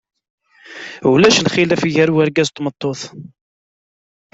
Ulac lxilaf gar wergaz d tmeṭṭut.